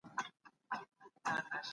ته همدا اوس د خپل کرامت ساتنه کوې.